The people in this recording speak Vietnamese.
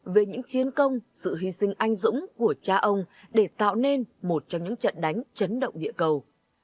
về những chiến công sự hy sinh anh dũng của cha ông để tạo nên một trong những trận đánh chấn động địa cầu